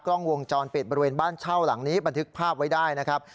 กล้องวงจรปิดบริเวณบ้านเช่าหลังนี้บันทึกภาพไว้ได้นะครับ